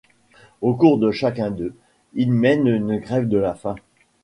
Au cours de chacun d'eux, il mène une grève de la faim.